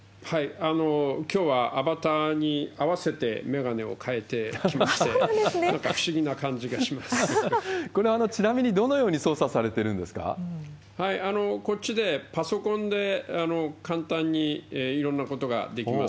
きょうはアバターに合わせて眼鏡を変えてきまして、なんか不これ、ちなみにどのように操こっちでパソコンで簡単にいろんなことができます。